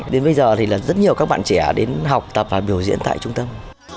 đến bây giờ thì rất nhiều các bạn trẻ đến học tập và biểu diễn tại trung tâm